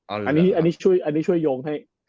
อันนี้ช่วยโยงให้